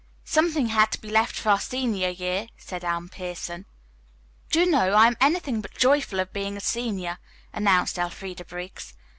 "Something had to be left for our senior year," said Anne Pierson. "Do you know, I am anything but joyful at being a senior," announced Elfreda Briggs.